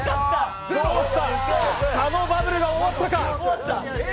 佐野バブルが終わったか？